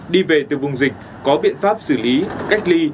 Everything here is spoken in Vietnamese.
đi về từ vùng dịch có biện pháp xử lý cách ly